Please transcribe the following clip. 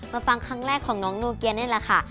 มาฟังครั้งแรกของน้องนูเกียเรนนี่ล่ะค่ะ